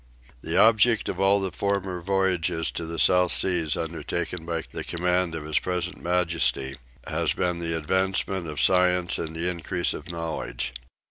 The object of all the former voyages to the South Seas undertaken by the command of his present majesty, has been the advancement of science and the increase of knowledge.